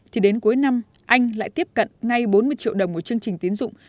thì đến cuối năm anh lại tiếp cận ngay bốn mươi triệu đồng một chương trình tiến dụng